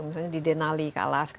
misalnya di denali kalaska